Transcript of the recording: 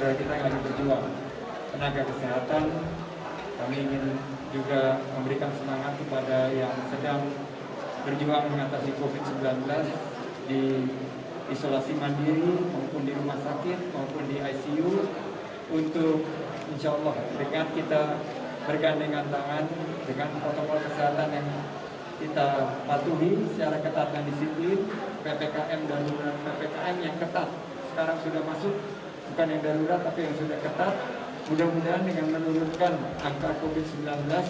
ppkm dan darurat ppkm yang ketat sekarang sudah masuk bukan yang darurat tapi yang sudah ketat mudah mudahan dengan menurutkan angka covid sembilan belas